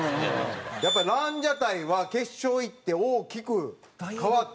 やっぱりランジャタイは決勝行って大きく変わったね。